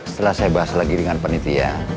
setelah saya bahas lagi dengan panitia